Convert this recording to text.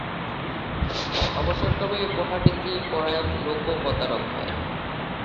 অবসরক্রমে মহানীতিপরায়ণ লোকও প্রতারক হয়।